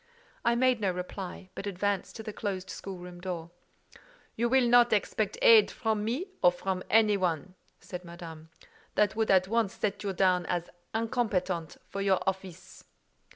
I made no reply, but advanced to the closed schoolroom door. "You will not expect aid from me, or from any one," said Madame. "That would at once set you down as incompetent for your office."